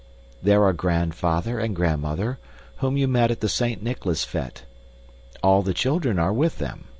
There are Grandfather and Grandmother, whom you met at the Saint Nicholas fete. All the children are with them.